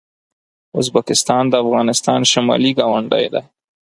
ازبکستان د افغانستان شمالي ګاونډی دی.